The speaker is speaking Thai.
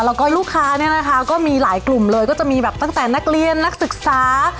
แล้วก็ลูกค้าเนี่ยนะคะก็มีหลายกลุ่มเลยก็จะมีแบบตั้งแต่นักเรียนนักศึกษา